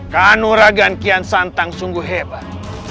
kanura gankian santang sungguh hebat